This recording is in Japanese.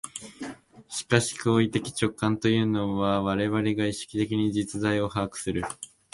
しかし行為的直観というのは、我々が意識的に実在を把握する、